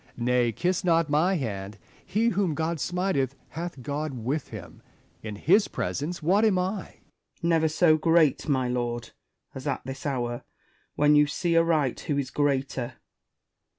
Nay, kiss not my hand : he whom God smiteth hath God with him. In his presence what am 1 1 Spenser. Never so great, my lord, as at this hour, when you see aright who is greater.